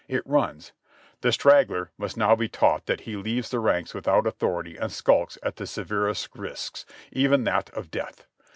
It runs : "The straggler must now be taught that he leaves the ranks without authority and skulks at the severest risks, even that of death.